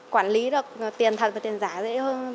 quản lý được tiền thật và tiền giả dễ hơn